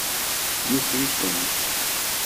Yuker-ikent.